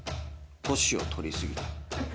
歳をとり過ぎた。